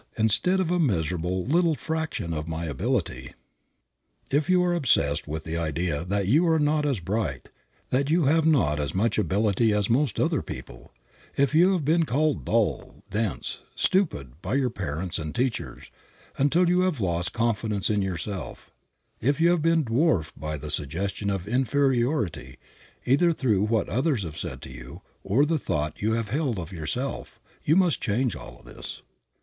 instead of a miserable little fraction of my ability." If you are obsessed with the idea that you are not as bright, that you have not as much ability as most other people; if you have been called dull, dense, stupid by your parents and teachers, until you have lost confidence in yourself; if you have been dwarfed by the suggestion of inferiority, either through what others have said of you, or the thought you have held of yourself, you must change all this.